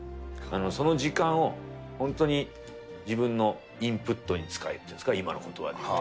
その時間を本当に自分のインプットに使えっていうんですか、今のことばでいうと。